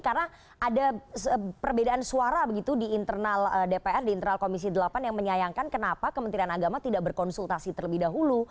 karena ada perbedaan suara begitu di internal dpr di internal komisi delapan yang menyayangkan kenapa kementerian agama tidak berkonsultasi terlebih dahulu